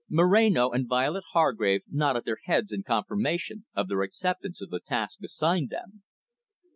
Moreno and Violet Hargrave nodded their heads in confirmation of their acceptance of the task assigned them.